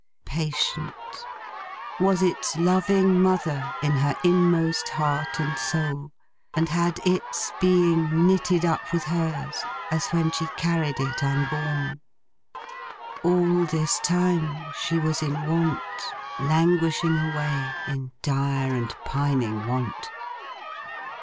Patient! Was its loving mother in her inmost heart and soul, and had its Being knitted up with hers as when she carried it unborn. All this time, she was in want: languishing away, in dire and pining want.